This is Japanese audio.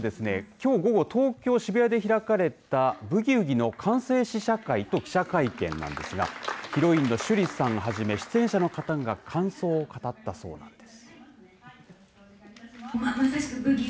きょう午後東京・渋谷で開かれたブギウギの完成試写会と記者会見なんですがヒロインの趣里さん始め出演者の方が感想を語ったそうなんです。